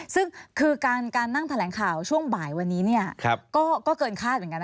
ซึ่งคือการนั่งแถลงข่าวช่วงบ่ายวันนี้ก็เกินคาดเหมือนกันนะ